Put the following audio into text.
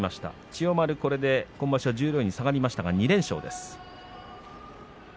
千代丸は十両に下がりましたが今場所２連勝です。